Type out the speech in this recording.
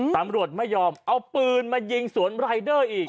ตำรวจไม่ยอมเอาปืนมายิงสวนรายเดอร์อีก